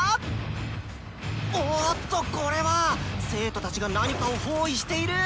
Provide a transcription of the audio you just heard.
おおっとこれは⁉生徒たちが何かを包囲している！